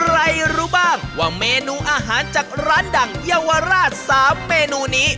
รู้บ้างว่าเมนูอาหารจากร้านดังเยาวราช๓เมนูนี้